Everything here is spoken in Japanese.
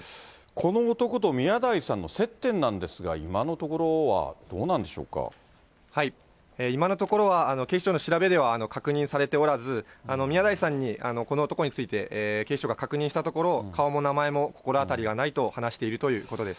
この男と宮台さんの接点なんですが、今のところはどうなんで今のところは、警視庁の調べでは、確認されておらず、宮台さんに、この男について警視庁が確認したところ、顔も名前も心当たりがないと話しているということです。